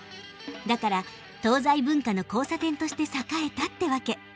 だから東西文化の交差点として栄えたってわけ。